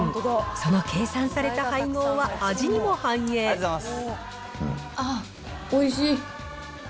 その計算された配合は、あっ、おいしい。